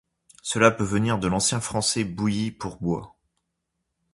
Cela peut venir de l'ancien français bouis pour bois...